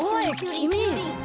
きみ。